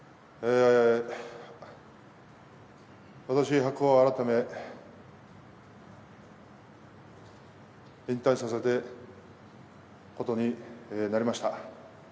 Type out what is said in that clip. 私、白鵬改め、引退させてことになりました。